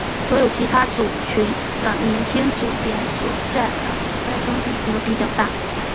所有其他族群的年轻组别所占的百分比则比较大。